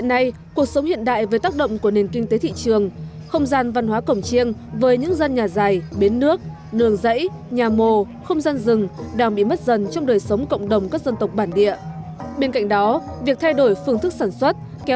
một mươi ba năm qua sự biến đổi của không gian văn hóa cổng chiêng tây nguyên đã và đang là nỗi lo của các nhà quản lý